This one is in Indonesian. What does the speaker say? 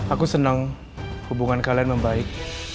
aku senang hubungan kalian membaik